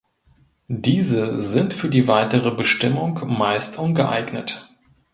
Diese sind für die weitere Bestimmung meist ungeeignet.